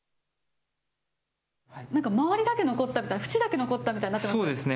なんか周りだけ残ったみたいな、縁だけ残ったみたいになってますね。